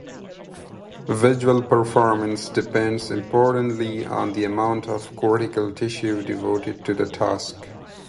Visual performance depends importantly on the amount of cortical tissue devoted to the task.